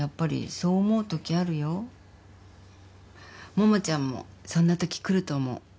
桃ちゃんもそんなときくると思う。